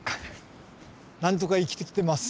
なんとか生きてきてます。